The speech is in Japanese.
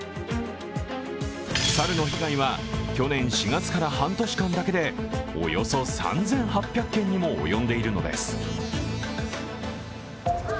猿の被害は去年４月から半年間だけでおよそ３８００件にも及んでいるのです。